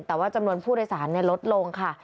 แต่ว่าจำนวนผู้โดยสารลดลงค่ะ